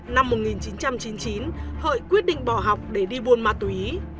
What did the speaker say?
năm một nghìn chín trăm chín mươi chín hợi quyết định bỏ học để đi buôn ma túy